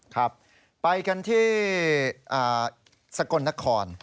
ครับไปกันที่สกลนคร